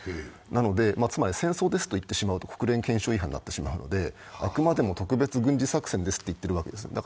なのでつまり「戦争です」と言ってしまうと国連憲章違反になってしまうのであくまでも特別軍事作戦ですと言っているわけです。